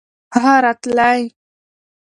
هغه راتلی .